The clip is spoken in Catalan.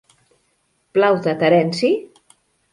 Plau-te Terenci?